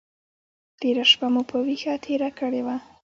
تېره شپه مو په ویښه تېره کړې وه.